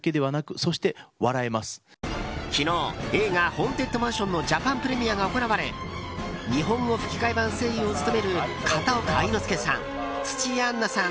昨日、映画「ホーンテッドマンション」のジャパンプレミアが行われ日本語吹き替え版声優を務める片岡愛之助さん土屋アンナさん